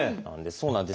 そうなんです